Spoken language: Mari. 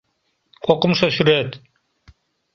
Кокымшо сӱрет